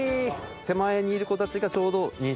手前にいる子たちがちょうど。